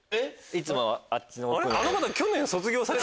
いつもあっちの奥の方。